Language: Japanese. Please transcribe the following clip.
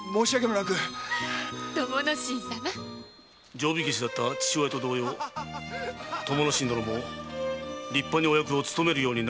定火消だった父親と同様友之進殿も立派にお役を勤めるようになることでしょう。